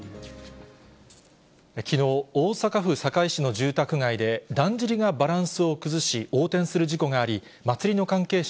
きのう、大阪府堺市の住宅街で、だんじりがバランスを崩し横転する事故があり、祭りの関係者